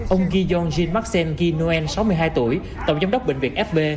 ông giyonjin maxsen ginoen sáu mươi hai tuổi tổng giám đốc bệnh viện fb